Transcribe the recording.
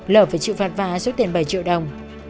lở phải chịu phạt vã xuất tiền bảy triệu đồng